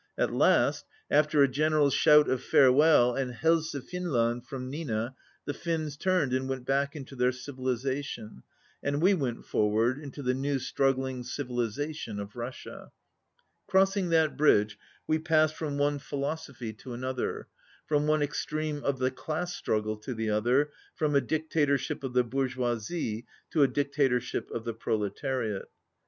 At last, after a gen eral shout of farewell, and "Helse Finland" from Nina, the Finns turned and went back into their civilization, and we went forward into the new struggling civilization of Russia. Crossing that bridge we passed from one philosophy to another, from one extreme of the class struggle to the other, from a dictatorship of the bourgeoisie to a dicta torship of the proletariat.